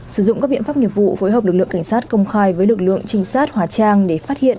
sử dụng các biện pháp nghiệp vụ phối hợp lực lượng cảnh sát công khai với lực lượng trinh sát hóa trang để phát hiện